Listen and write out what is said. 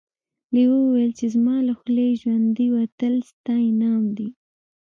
لیوه وویل چې زما له خولې ژوندی وتل ستا انعام دی.